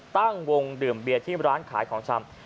ตั้งวงดื่มเบียร์ที่ร้านขายของชำ